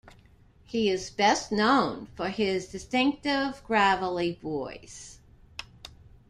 He is best known for his distinctive gravelly voice.